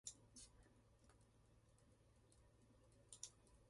冬になると手がすぐに乾きます。